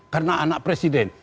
karena anak presiden